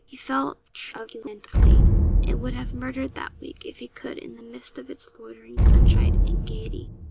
He felt truculently, and would have murdered that week, if he could, in the midst of its loitering sunshine and gaiety.